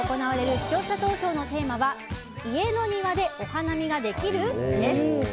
せきららスタジオ内で行われる視聴者投票のテーマは家の庭でお花見ができる？です。